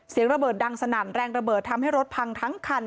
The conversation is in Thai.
เสียงระเบิดดังสนั่นแรงระเบิดทำให้รถพังทั้งคัน